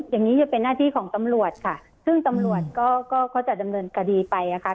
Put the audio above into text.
อย่างนี้จะเป็นหน้าที่ของตำรวจค่ะซึ่งตำรวจก็เขาจะดำเนินคดีไปนะคะ